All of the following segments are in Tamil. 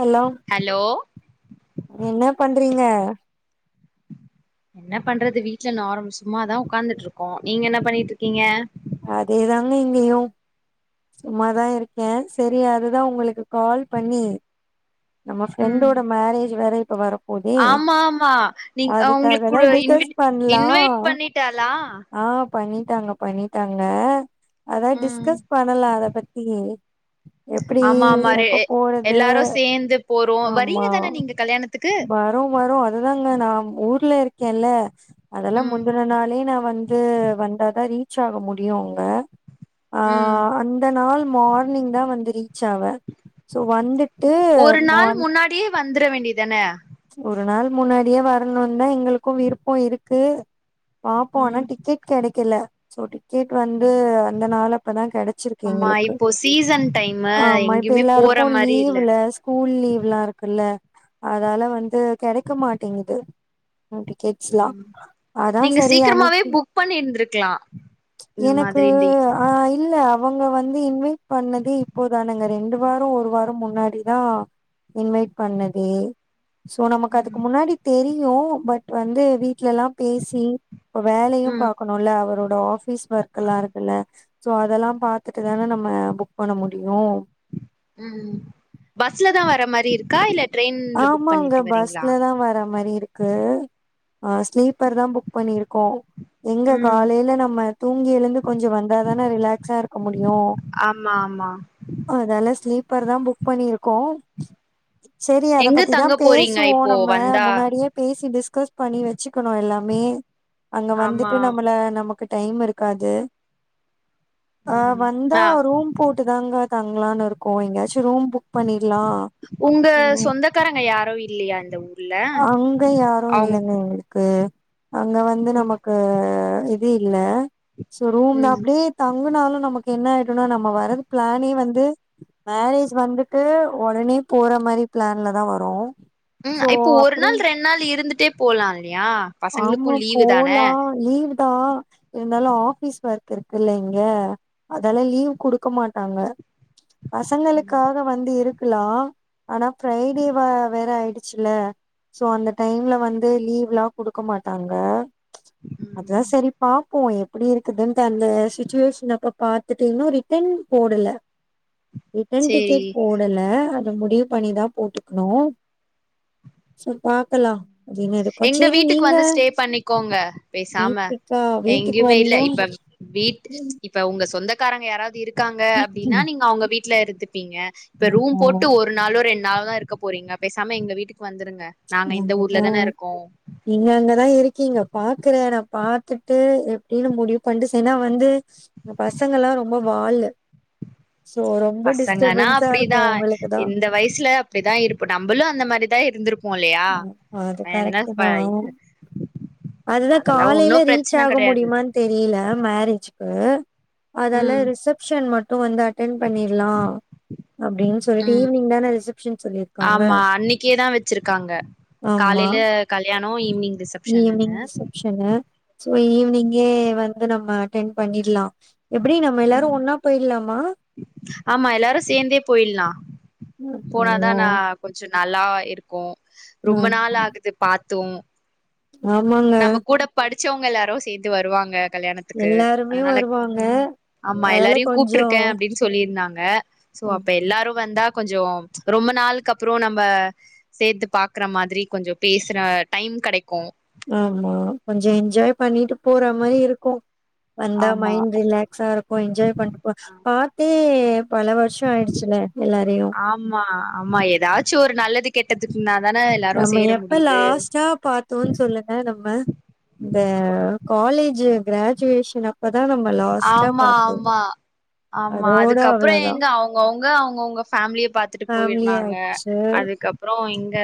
ஹலோ ஹலோ என்ன பண்றீங்க என்ன பண்றது வீட்ல நார் சும்மாதா உட்காந்துட்டுருக்கோ நீங்க என்ன பண்ணிட்டு இருக்கீங்க அதே தாங்க இங்கேயு சும்மாதா இருக்கே செரி அதுதா உங்களுக்கு கால் பண்ணி நம்ம ம் ஃப்ரெண்டோட மேரேஜ் வேற இப்ப வரப் போதே ஆமா ஆமா நீங் அ உங்களுக் அதுக்காக தா குடு டிஸ்கஸ் இன்விட் பண்லா இன்வைட் பண்ணிட்டாளா ஆ பண்ணிட்டாங்க பண்ணிட்டாங்க அதா ம் டிஸ்கஸ் பண்ணலா அத பத்தி எப் எப்டி ஆமா ஆமா ரெ எப்ப போறது எல்லாரு சேந்து போறோ ஆமா வரீங்க தான நீங்க கல்யாணத்துக்கு பா வரோ வரோஅதுதாங்க நா ஊர்ல இருக்கேன்ல்ல அதெல்லா ம் முந்தின நாளே நா வந்து வந்தாதா ரீச் ஆக முடியு அங்க ஆ ம் அந்த நாள் மார்னிங் தா வந்து ரீச் ஆவே சோ வந்துட் ஒரு நாள் முன்னாடியே வந்துற வேண்டியதானே ஒரு நாள் முன்னாடியே வரணுந்தா எங்களுக்கு விருப்ப இருக்கு பாப்போ ஆனா ம் டிக்கெட் கெடைக்கல சோ டிக்கெட் வந்து அந்த நாள இப்பதா கெடச்சிருக்கு ஆமா எங்களுக்கு இப்போ சீசன் டைமு ஆமா இப்ப எங்கயுமே போற எல்லாருக்கு மாரி இல்ல லீவ்வுல ஸ்கூல் லீவ்ல்லா இருக்குல்ல அதால வந்து கெடைக்க மாட்டேங்குது டிக்கெட் ஸ்லாப் ம் அதா நீங்க செரி சீக்கிரமாவே அன்னைக்கி புக் பண்ணிருந்திருக்கலா இந்த எனக்கு மாதிரி டி ஆ இல்ல அவங்க வந்து இன்வைட் பண்ணதே இப்பதானேங்க ரெண்டு வாரோ ஒரு வாரோ முன்னாடிதா இன்வைட் பண்ணதே சோ நமக்கு அதுக்கு ம் முன்னாடி தெரியு பட் வந்து வீட்ல எல்லாம் பேசி இப்ப வேலையு ம் பாக்கணுல அவரோட ஆஃபீஸ் ஒர்க்ல்லா ஆமா இருக்குல்ல சோ அதெல்லா பாத்துட்டு தானே நம்ம புக் பண்ண முடியு ம் பஸ்ல தா வர மாரி இருக்கா இல்ல ட்ரெயின்ல புக் ஆமாங்க பண்ணிட்டு வரீங்களா பஸ்லதா வர்ற மாரி இருக் கு ஆ ஸ்லீப்பர் தா புக் பண்ணிருக்கோ எங்க ம் காலையில நம்ம தூங்கி எழுந்து கொஞ்சோ வந்தா தான ரிலாக்ஸா இருக்க முடியு ஆமா ஆமா அதெல்லா ஸ்லீப்பர் தா புக் பண்ணிருக்கோ செரி அத எங்க பத்தி தா தங்க போறீங்க பேசுவோ இப்போ நம்ம வந்தா முன்னாடியே பேசி டிஸ்கஸ் பண்ணி வச்சிக்கனு எல்லாமே அங்க ஆமா வந்துட்டு நம்மள நமக் கு டைம் இருக்காது ஆ ம் வந்தா ஆ ரூம் போட்டு தாங்க தங்கலான் இருக்கோ எங்கயாச்சு ரூம் புக் பண்ணிட்லா உங்க சொந்தக்காரங்க யாரு இல்லியா இந்த ஊர்ல அவுங் கு அங்க வந்து நமக்கு இது இல்ல சோ ரூம்ல ம் அப்டியே தங்குனாலு நமக்கு என்ன ஆயிடுனா நம்ம வர்றது பிளானே வந்து மேரேஜ் வந்துட்டு ஒடனே போற மாரி பிளான்ல தா வரோ ம் இப்போ ஒரு நாள் ரெண்டு நாள் இருந்துட்டே போலா இல்லையா ஆமா பசங்களுக்கு லீவு தான போலா லீவ் தா இருந்தாலு ஆபீஸ் ஒர்க் இருக்கில்ல இங்க அதெல்லா லீவ் குடுக்க மாட்டாங்க பசங்களுக்காக வந்து இருக்கலா ஆனா ஃப்ரைடே வ வேற ஆயிடுச்சில்ல சோ அந்த டைம்ல வந்து லீவ்லா குடுக்க மாட்டாங்க அதுதா ம் செரி பாப் போ எப்டி இருக்குதுன்ட்டு அந்த சிச்சிவேஷன் அப்போ பாத்துட்டு இன்னு ரிட்டன் போடல ரிட்டன் சேரி டிக்கெட் போ டல அது முடிவு பண்ணிதா போட்டுக்னு சேர் பாக்கலா கிவ் மீ ஐடி காட் எங்க வீட்டுக்கு வந்து ஸ்டே பண்ணிக்கோங்க பேசாம வீட்டுக்கா வீட்டுக்கு எங்கயுமே இல்ல வந்தா இப்ப வீட்டு இப் ப உங்க சொந்தக்காரங்க யாராவது இருக்காங்க அப்டினா நீங்க அவுங்க வீட்ல இருந்துப்பீங்க இப்ப ரூம் ஆமா போட்டு ஒரு ஒரு நாளோ ரெண்டு நாளோ தா இருக்க போறீங்க பேசாம எங்க வீட்டுக்கு வந்துருங்க நாங்க இந்த ஊர்ல நல்லதுதா தான இருக்கோ நீங்க அங்கதா இருக்கிங்க பாக்குற நா பாத்துட்டு எப்டினு முடிவு பண்ட்டு செய் ஏனா வந்து இந்த பசங்க எல்லா ரொம்ப வாலு சோ ரொம்ப பசங்கனா டிஸ்டபன்ஸா இருக்கு அப்டிதா உங்களுக்குதா இந்த வயசுல அப்டிதா இருப்போ நம்மளு அந்த மாரிதா இருந்துருப் அது கரெக்டு தா அதுதா அதெல்லா ஒன்னு காலையில ரீச் பிரச்சன ஆக கெடையாது முடியுமா தெரியில மேரேஜிக்கு அதால ம் ரிசப்ஷன் மட்டு வந்து அட் அட்டென் பண்ணிர்லா அப்டின் சொல்ட்டு ம் ஈவ்னிங் தான ரிசப்ஷன் சொல்லிர்க்காங்க ஆமா அன்னைக்கே தா வச்சிருக்காங்க ஆமா காலையில கல்யாணோ ஈவ்னிங் ரிசப்ஷன்னனு சனு சோ ஈவினிங்கே வந்து நம்ம அட்டன் பண்ணிர்லா எப்டி நம்ம எல்லாரு ஒன்னா போய்டலாமா ஆமா எல்லாரு சேந்தே போயிட்லா போனாதா அப்டிங்களா நா கொஞ்சோ நல்லா இருக்கு ஆமா ரொம்ப நாள் ஆகுது பாத்து ஆமாங்க நம்ம கூட படிச்சவங்க எல்லாரு சேந்து வருவாங்க கல்யாணத்துக்கு எல்லாருமே அதனால வருவாங்க ம் ஆமா அதனால எல்லாரையு கொஞ்சோ கூப்ட்டுருக்கே அப்டின் டின் சொல்லிருந்தாங்க சோ அப்ப ஆமா எல்லாரு வந்தா கொஞ்சோ ரொம்ப நாள்க்கு அப்றோ நம்ப சேத்து பாக்கற மாதிரி கொஞ்சோ பேசுற டைம் கெடைக்கு ஆமா கொஞ்சோ என்ஜாய் பண்ணிட்டு போற மாரி இருக்கு வந்தா ஆமா மைண்ட் ரிலாக்ஸா இருக்கு என்ஜாய் பண்ணோ பாத் தே பல வருஷோ ஆயிடுச்சில எல்லாரையு ஆமா ஆமா ஏதாச்சு ஒரு நல்லது கெட்டதுக்குனா தான எல்லாரு சேர முடியுது சா பாத் து சொல்லுங்க நம்ம இந்த காலேஜ் கிராஜுவேஷன் அப்பதா நம்ம லாஸ்ட்டா ஆமா பாத்தது ஆமா ஆமா அதோட அதுக்கப்பறோ அவ்ளோதா ஏங்க அவங் கவங்க அவங்கவுங்க பேமிலிய பாத்துட்டு ஃபேமிலி போயிருந்தாங்க ஆயிடுச்சு அதுக்கப் அப்பறோ இங்க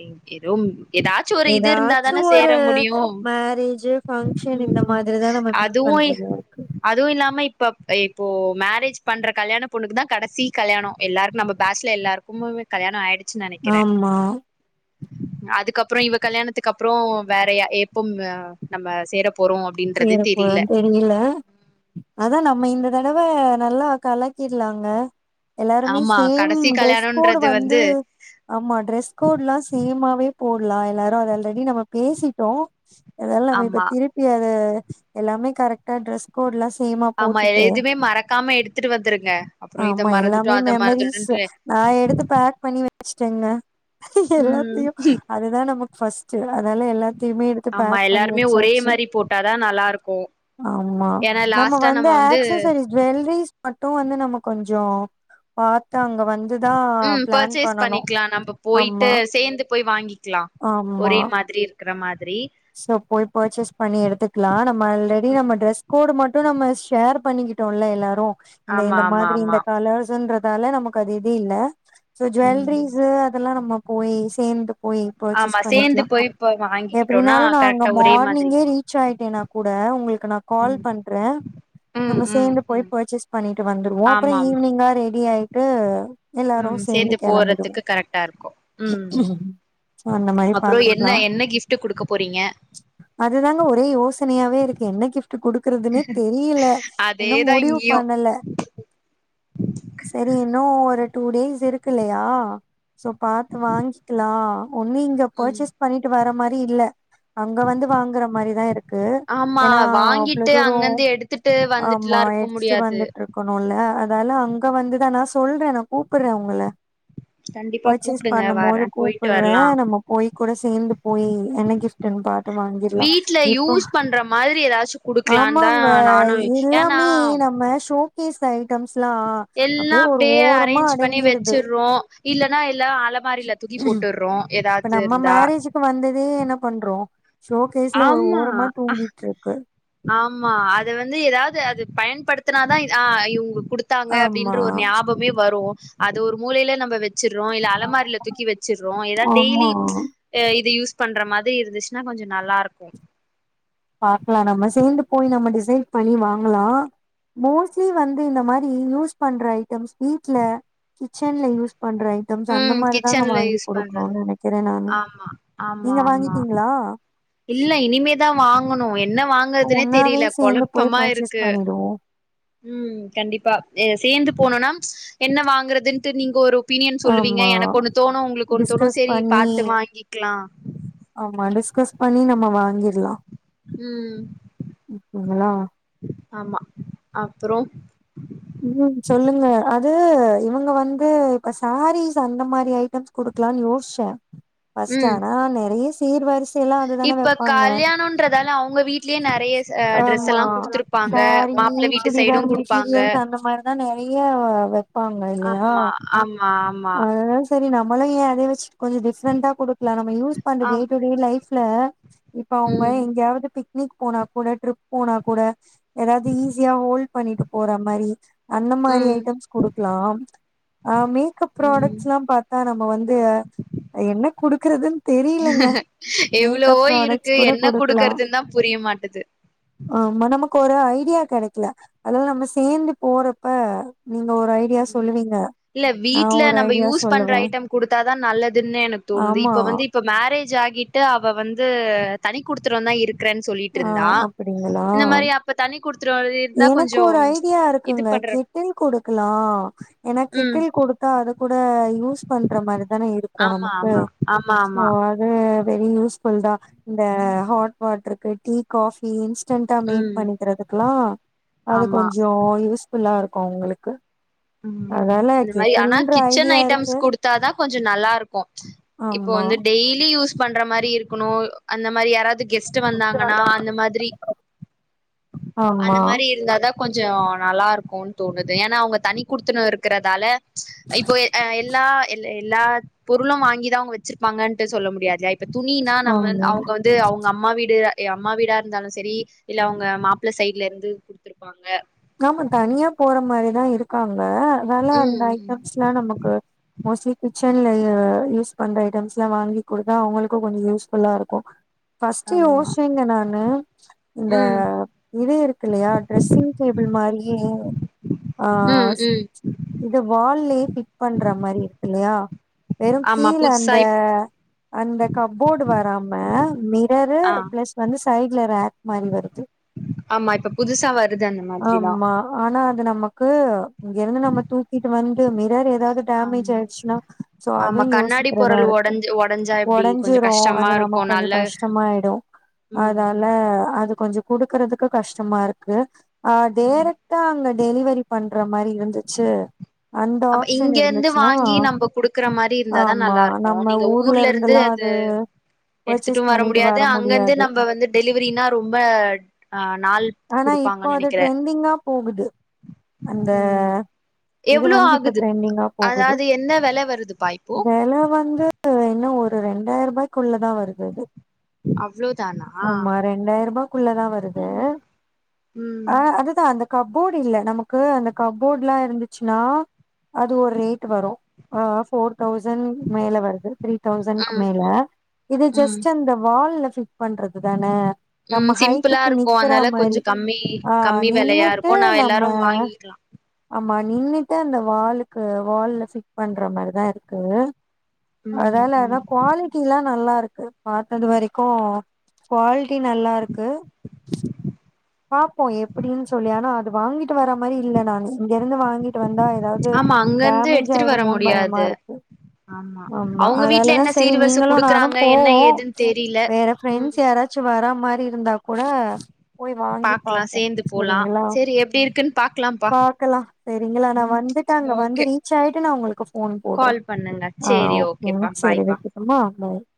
எ எதும் ஏதாச்சும் ஒரு மேரேஜ்ஜு பங்க்ஷன் இந்த ம் மாதிரிதா நம்ம மீட் அதுவு பண்றது யாருக்கு அதுவு இல்லாம இப்ப இப்போ மேரேஜ் பண்ற கல்யாண பொண்ணுக்கு தா கடைசி கல்யாணோ எல்லாருக்கு நம்ம பேட்சல எல்லாருக்கு கும்பமே கல்யாண ஆயிடுச்சுன்னு நெனைக்கிறே ஆமா. அதுக்கப்பறோ இவ கல்யாணத்துக்கு அப்பறோ வேற எ எப்பும் அ நம்ம சேர போறோ அப்டின்றது சேர போறோ தெரில தெரியல அதா நம்ம இந்த தடவ நல்லா கலக்கிட்லாங்க எல்லாருமே ஆமா சேம் கடைசி ட்ரெஸ் கோடு கல்யாணோன்றது வந்து ஆமா ட்ரெஸ் கோட்ல்லா சேமாவே போடலா எல்லாரு அத ஆல்ரெடி நம்ம பேசிட்டோ அதால நம்ம இப்ப ஆமா திருப்பி அத எல்லாமே கரெக்ட் ட்ரெஸ் கோட்லா சேமா ஆமா போட்டுட்டு எதுவுமே மறக்காம எடுத்துட்டு வந்துருங்க அப்றோ இத ஆமா மறந்துட்டோ எல்லாமே அத மெமரி ஸ்சு மறந்துட்டோன்ட்டு நா எடுத்து பேக் பண்ணி வச்சுட்டேங்க ம் எல்லாத்தையு அதுதா நமக்கு ஃபர்ஸ்ட்டு அதனால எல்லாத்தையுமே எடுத்து ஆமா பேக் பண்ணி எல்லாருமே ஒரே வச்சாச்சு. மாரி போட்டாதா நல்லாருக்கு ஆமா நம்ம வந்து ஆக்சசரிஸ் ஜுவல்ரிஸ் மட்டு வந்து நம்ம கொஞ்ஜோ பாத்தா அங்க வந் ம் பர்ச்சேஸ் பண்ணிக்கலா நம்ம போயிட்டு ஆமா சேந்து போய் வாங்கிக்கலா ஆமா ஒரே மாரி மாதிரி இருக்கிற மாதிரி சோ போய் பர்ச்சேஸ் பண்ணி எடுத்துக்கலாம் நம்ம அல்ரெடி நம்ம ம் ட்ரெஸ் கோடு மட் டும் நம்ம ஷேர் பண்ணிக்கிட்டோல்ல எல்லாரு இந்த ஆமா இந்த ஆமா மாதிரி ஆமா இந்த காலர்ஸ்ன்றதால நம க்கு அது இது இல்ல சோ ம் ஜுவல்லரிஸ் அதெல்லா நம்ம போய் சேந்து போய் ஆமா சேந்து போய் இப்ப வாங்கி அப்படின்னாலு நா அங்க மார்னிங்கே ரீச் ஆயிட்டேன்னா கூட உங்களுக்கு நா கால் ம் பண்றே ம் நம்ம ம் சேந்து போய் ம் பர்சேஸ் பண்ணிட்டு வந்துடுவோ அப்பற ஆமா ஆமா ஈவி்னிங்கா ரெடி ஆயிட்டு எல்லாரு ம் சேந்து கெளம்பிடுவோ போறதுக்கு கரெக்டா இருக்கு ம் ம் அப்பறோ என்ன என்ன கிஃப்ட் குடுக்க போறீங்க அதுதாங்க ஒரேயோசனையாவே இருக்கு என்ன கிப்ட் டு குடுக்குறதுனே தெரியல இன்னு அதேதா முடிவு இங்கயு பண்ணல சேரி இன்னு ஒரு டூ டேஸ் இருக்குல்லையா சோ பாத்து வாங்கிக்கலா ஒண்ணு இங்க ம் பர்ச்சேஸ் பண்ணிட்டு வர மாதிரி இல்ல அங்க வந்து வாங்குற மாரிதா இருக்கு ஆமா ஏன்னா அவ்வள வாங்கிட்டு தூரோ அங்கந்து எடுத்துட்டு ஆமா வந்துட்டுலா இருக்க எடுச்சுட்டு முடியாது வந்துட்ருக் இருக்கணும்ல அதால அங்க வந்துதா நா சொல்றே நா கூப்புறே உங்கள கண்டிப்பா பர்ச்சேஸ் கூப்டுங்க பண்ணும் போது வரே போயிட்டு கூப்புறே வரலா நம்ம போய் கூட சேந்து போயி என்ன கிஃப்டன்னு பாத்து வாங்கிட்லா வீட்ல இப்போ யூஸ் பண்ற மாதிரி ஏதாச்சு குடுக்கலான் தா ஆமாங்க நானு ஏன்னா எல்லாமே நம்ம ஷோ கீஸ் ஐட்டம்ஸ்லா அப்டியே ஒரு ஓரமா அடங்கிருது ப்றோ இல்லன்னா எல்லா அல மாரில தூக்கி போட்டுறோ இப்ப எதாச்சு நம்ம இருந்தா மேரேஜுக்கு வந்ததே என்ன பண்றோ ஷோகேஸ்ல ஒரு ஆமா ஓரமா தூங்கிட்ருக்கு ஆமா அத வந்து எதாவது அது பயன்படுத்தினாதா ஆ இவங்க குடுத் தாங்க ஆமா அப்படின்ற ஒரு ஞாபமே வரு அது ஒரு மூலயில நம்ப வச் வச்சடுறோ இல்ல அலமாரில தூக்கி வச்சிருறோ ஏதாவது டெய்லி ஆமா இது யூஸ் பண்ற மாதிரி இருந்துச்சுன்னா கொஞ்ச நல்லாருக்கு பாக்கலா நம்ம சேந்து போய் நம்ம டிசைட் பண்ணி வாங்கலா மோஸ்ட்லி வந்து இந்த மாரி யூஸ் பண்ற ஐட்டம்ஸ் வீட்ல கிச்சன்ல யூஸ் பண்ற ஐட் டம்ஸ் அந்த ம் மாரிதாங்க கிச்சன்ல வாங்கி யூஸ் பண்றது குடுக்ணுனு நெனைக்கிறே நானு ஆமா ஆமா நீங்க ஆமா வாங்கிட்டீங்களா இல்ல இனிமேதா வாங்கணு என்ன அப்போ வாங்குறதுனே ஒன்னாவே தெரியல சேந்து போய் கொழப்பமா பர்ச்சேஸ் இருக்கு பண்ணிடுவோ ம் கண்டிப்பா ஏ சேந்து போனோனா என்ன வாங்கறதுன்ட்டு நீங்க ஒரு ஒப்பீனியன் சொல்லுவீங்க ஆமா எனக்கு ஒண்ணு தோணு உங்களுக்கு ஒண்ணு தோணு டிஸ்கஸ் சரி பண்ணி பாத்து வாங்கிக்லா ஆமா டிஸ்கஸ் பண்ணி நம்ம வாங்கிர்லா ம் ஓகேங்களா ஆமா அப்பறோ ம் சொல்லுங்க அது இவங்க வந்து இப்ப சாரீஸ் அந்த மாரி ஐட்டம்ஸ் குடுக்கலானு யோஸ்ச்சே ஃபர்ஸ்ட் ம் ஆனா நறய சீர் வரிஸ் இப்ப கல்யானோன்றாதால அவங்க வீட் வீட்லயே நெறைய ச அ ஆமா ட்ரெஸ்ல்லா குடுத்துருப்பாங்க சாரீ மாப்பிள்ள வீட்டு சைடும் குடுப்பாங்க நெறய வப்பாங்க இல்லையா ஆமா ஆமா ஆமா அத சரி நம்மளு ஏ அதயே வச்சுட் கொஞ்ச டிஃப்ரெண்ட்டா குடுக்கலா நம்ம யூஸ் பண்ற டே ஆம் டு டே லைஃப்ல இப்ப அவங்க ம் எங்கயாவது பிக்னிக் போனா கூட ட்ரிப் போனா கூட எதாவது ஈஸியா ஹோல்ட் பண்ணிட்டு போறா மாரி அந்த மாரி ம் ஐட்டம்ஸ் குடுக்லாம் அ மேக்கப் ம் ப்ராடக்ஸ்ல்லா பாத் அ நம்ம வந்து என்ன குடுக்குறதுன் தெரிலங்க மேக்கப் ப்ராடக்ட்ஸ் கூட குடுக்லா ன்னா புரிய மாட்டது ஆமா நமக்கு ஒரு ஐடியா கெடைக்கல அதால நம்ம சேந்து போறப்ப நீங்க ஒரு ஐ ஐடியா சொல்லுவீங்க நா ஒரு ஐடியா சொல்லுவே குடுத்தா தா நல்லதுன்னு எனக்கு தோணுது ஆமா இப்ப வந்து இப் இப்ப மேரேஜ் ஆகிட்டு அவ வந்து தனி குடுத்தனந்தா இருக் இருக்றே ஆ சொல்லிட்ருந்தா அப்டிங்களா இந்த மாரி அப்ப தண்ணி குடுத்தன இருந்தா கொஞ்ச இது பண்ற கிட்டில் குடுக்லா ஏன்னா ம் கிட்டில் குடுத்தா அது கூட யூஸ் பண்ற மாரி தான இருக் கு ஆமா நமக்கு ஆமா ஆமா ஆமா ஸ்லாட் வெரி யூஸ் ஃபுல் தா இந்த ஹாட் வாட்ருக்கு டீ காபி இன்ஸ்டண்டா மேட் ம் பண்ணிக்கிறதுக்குலா அது ஆமா கொஞ்ச யூஸ் ஃபுல்லா இருக்கு அவங்களுக்கு ம் அதனால கெட்டில்ன்ற ஐடியா இருக்கு த்தா தா கொஞ்ச நல்லாருக்கு இப்ப ஆமா வந்து டெய்லி யூஸ் பண்ற மாரி இருக்கணு அந்த மாரி யாராவது கெஸ்ட்டு வந்தாங்கன்னா அந்த மாதிரி ஆமா அந்த மாரி இருந்தா தா கொஞ்ச நல்லாருக்குன் தோணுது ஏன்னா அவங்க தனி குடுத்தனோ இருக்குறதால இப்போ அ எல்லா எ எல்லா பொருளு வாங்கிதா அவங்க வச்சிருப்பாங்கன்ட்டு சொல்ல முடியாதுல ப்ப துணினா நம்ம வ ஆமா அவங்க வந்து அவங்கம்மா வீடு அம்மா வீடா இருந்தாலு சரி இல்ல அவங்க மாப்பள சைட்ல இருந்து குடுத்துருப்பாங்க ஆமா தனியா போற மாரிதா இருக்காங்க அதனால அந்த ம் ஐட்டம்ஸ்லா நமக்கு மோஸ்ட்லி கிச்சன்ல ஆ யூஸ் பண்ற ஐட்டம்ஸ்லா வாங்கி்குடுத்தா அவங்களுக்கு கொஞ்சோ யூஸ்ஃபுல்லா இருக்கு ஃபஸ்ட்டு ஆமா யோஸ்சேங்க நானு இந்த ம் இது இருக்கு இல்லயா டிரெஸ்ஸிங் டேபிள் மாரியே ஆ ம் ம் இது வால்லேயே ஃபிட் பண்ற மாரி இருக்கு இல்லையா வெறும் ஆமா கீழே புதுசா அந்த இப் அந்த கப்போடு வராம மிரரு ஆ பிளஸ் வந்து சைடுல ராக் மாரி வருது ஆமா இப்ப புதுசா வர் ஆமா ஆனா அது நமக்கு இங்க இருந்து நம்ம தூக்கிட்டு வந்து மிரர் ஏதாவது டேமேஜ் ஆமா ஆயிடுச்சுனா சோ அத ஆமா கண்ணாடி யோசிக்றே வேற பொருள் எடுப்போ ஒடஞ்சு ஒடஞ்சா எப்டி உடஞ் கொஞ்சோ ஞ்சிரு கஷ்டமா அது இருக்கு நமக்கு கொஞ்சோ நல்ல கஷ்டமாயிடு ம் அதால ம் அது கொஞ்சோ குடுக்கறதுக்கு கஷ்டமா இருக்கு அ ம் டைரக்டா அங்க டெலிவரி பண் ற மாரி இருந்துச்சு அந்த ஆமா ஆப்ஷன் இங்க இருந்து இருந்துச்சுன்னா வாங்கி நம்ம குடுக்குற மாரி இருந்தாதா ஆமா. நல்லா இருக்கு நம்ம நீங்க ஊர்ல இருந்து இருந்துலாம் அது து எடுத்துட்டு பர்ச்சேஸ் வர பண்ணிட்டு முடியாது அங்கிருந்து முடியாது. நம்ம வந்து டெலிவரினா ரொம்ப ஆ நாள் குடுப்பாங்க இப்ப அது ட்ரெண்டிங்கா போகுது அந்த ம் இது எவ்ளோ வந்து இப்ப ஆகுது டரெண்டிங்கா போகுது அதாவது என்ன வெல வருதுப்பா இப்போ வெல வந்து து ஒரு ரெண்டாயிர் ரூபாய்க்குள்ளதா வருது அது அவ்ளோதானா ஆமா ரெண்டாயி ரூபாய்க்குள்ளதா வருது ம் ஆ ம் அதுதா அந்த கப்போர்ட் இல்ல நமக்கு அந்த கப்போட்ல்லா இருந்துச்சின்னா அது ஒரு ரேட் வரு ஆ ஃபோர் தௌசண்ட் மேல வருது த்ரீ தௌசண்ட்க்கு மேல இது ம் ஜெஸ்ட்டு அந்த வால்ல பிட் பண்றது தானே ம் நம்ம சிம்பிளா ஹைட்டுக்கு இருக்கு நிக்கற அதனால கொஞ்சோ மாரி கம்மி ஆ கம்மி வெலையா நின்னுட்டு இருக்கு நா நம்ம எல்லாரு வாங்கிக்கலா ஆமா நின்னுட்டு அந்த வாலுக்கு வால்ல பிட் பண்ற மாரிதா இருக்கு ம் அதால அத ம் குவாலிட்டில்ல நல்லா இருக்கு பாத்தது வரைக்கு குவாலிட்டி நல்லாருக்கு பாப்போ எப்டின்னு சொல்லி ஆனா அது வாங்கிட் ட்டு வர மாரி இல்ல நானு இங்க இருந்து வாங்கிட்டு வந்தா ஏதாவது ஆமா அங்க இருந்து டேமேஜ் எடுத்துட்டு வர ஆயிடுமோன்னு முடியாது பயமா இருக்கு ஆமா அவங்க வீட்ல அதாலதா என்ன செரி சீர்வரிச நீங்களு நானு குடுக்குறாங்க என்ன போவோ ஏதுன்னு தெரில வேற ஃப்ரெண்ட்ஸ் யாராச் ச்சு வரா மாரி இருந்தா கூட போய் வாங்கி பாக்கலா பாப்போ சேந்து போலா செரிங்ளா சேரி எப்டி இருக்குன்னு பாக்கலாம்ப்பா பாக்கலா செரிங்ளா நா ம் வந்துட்டு அங்க ஓகே வந்து ரீச் ஆயிட்டு நா உங்களுக்கு ஃபோன் போடுறே கால் பண்ணுங்க செரி ஓகேப்பா பாய்ப்பா அம்மா அம்மாயி